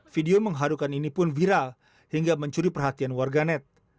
video mengharukan ini pun viral hingga mencuri perhatian warganet